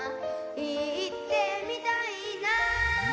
「いってみたいな」